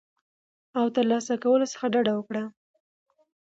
او ترلاسه کولو څخه ډډه وکړه